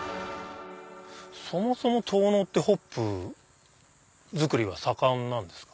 そもそも遠野ってホップ作りは盛んなんですか？